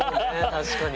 確かに。